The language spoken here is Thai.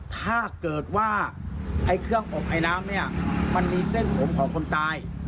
ถ้าเกิดว่าไอ้เครื่องอบไอน้ำเนี่ยมันมีเส้นผมของคนตาย